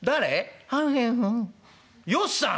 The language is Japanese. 「よっさん」。